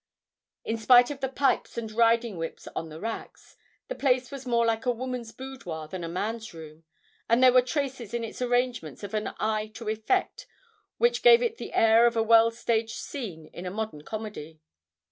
In spite of the pipes and riding whips on the racks, the place was more like a woman's boudoir than a man's room, and there were traces in its arrangements of an eye to effect which gave it the air of a well staged scene in a modern comedy.